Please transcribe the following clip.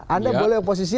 anda boleh oposisi